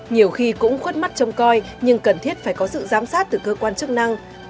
nhiều khi cũng khuất mắt trông coi nhưng cần thiết phải có sự giám sát từ cơ quan chức năng